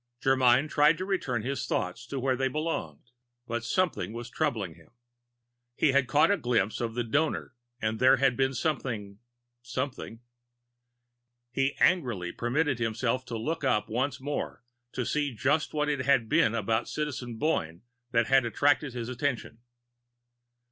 Germyn tried to return his thoughts to where they belonged. But something was troubling him. He had caught a glimpse of the Donor and there had been something something He angrily permitted himself to look up once more to see just what it had been about Citizen Boyne that had attracted his attention.